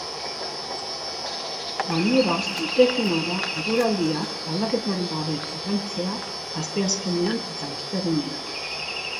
Gainera, litekeena da eguraldiak aldaketarik gabe jarraitzea asteazkenean eta ostegunean.